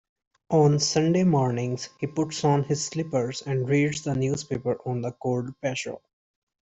On Sunday mornings, he puts on his slippers and reads the newspaper on the cold patio.